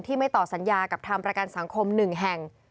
ไม่ต่อสัญญากับทางประกันสังคม๑แห่ง